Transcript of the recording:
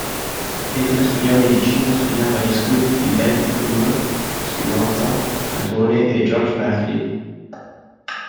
Mentre studiò medicina studiava gli scritti di David Hume, Spinoza, Platone e George Berkeley.